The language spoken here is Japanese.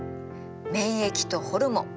免疫とホルモン。